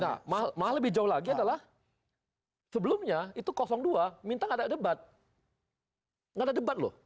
nah malah lebih jauh lagi adalah sebelumnya itu dua minta nggak ada debat nggak ada debat loh